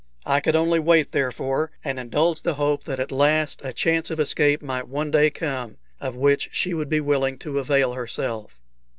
I could only wait, therefore, and indulge the hope that at last a chance of escape might one day come, of which she would be willing to avail herself.